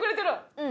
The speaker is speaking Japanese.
うん。